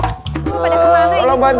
sahabat rajin pakde